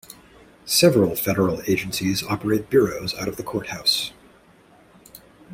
Several federal agencies operate bureaus out of the courthouse.